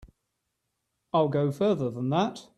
I'll go further than that.